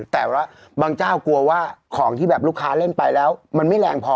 แต่ว่าบางเจ้ากลัวว่าของที่แบบลูกค้าเล่นไปแล้วมันไม่แรงพอ